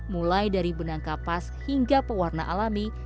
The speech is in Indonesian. mulai dari benang kapas hingga pewarna alami